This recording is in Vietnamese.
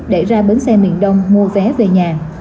để ra bến xe miền đông mua vé về nhà